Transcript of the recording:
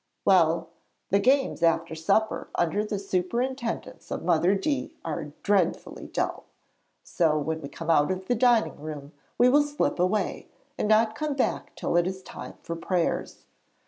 'Well, the games after supper under the superintendence of Mother D. are dreadfully dull. So when we come out of the dining room we will slip away, and not come back till it is time for prayers.